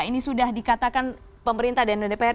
ini sudah dikatakan pemerintah dan dpr